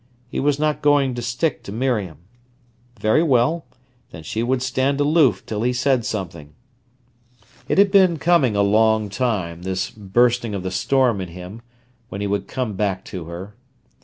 He was not going to stick to Miriam. Very well; then she would stand aloof till he said something. It had been coming a long time, this bursting of the storm in him, when he would come back to her.